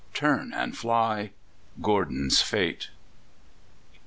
"Turn and fly" Gordon's fate.